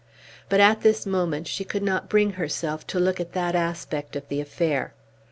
But, at this moment, she could not bring herself to look at that aspect of the affair.